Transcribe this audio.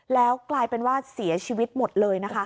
แล้วกลายเป็นว่าเสียชีวิตหมดเลยนะคะ